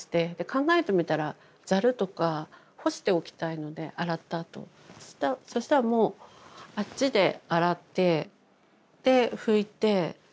考えてみたらザルとか干しておきたいので洗ったあとそしたらもうあっちでしあわせリスト